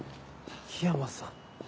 緋山さん。